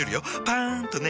パン！とね。